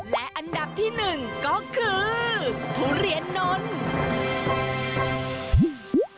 และอันดับที่๑ก็คือทุเรียนนนท์